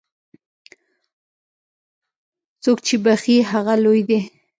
څوک چې بخښي، هغه لوی دی.